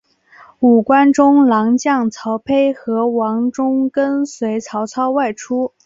五官中郎将曹丕和王忠跟随曹操外出。